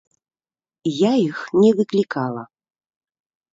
Я іх не выклікала.